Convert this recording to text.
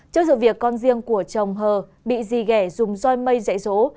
trong sự việc con riêng của chồng hờ bị dì ghẻ dùng roi mây dạy rỗ